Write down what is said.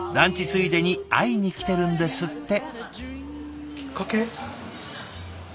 ついでに会いに来てるんですって。